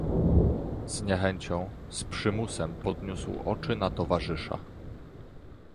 "Z niechęcią, z przymusem podniósł oczy na towarzysza."